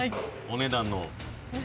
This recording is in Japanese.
お値段を。